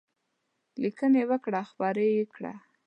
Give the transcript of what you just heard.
لیکنې وکړه خپرې یې کړه.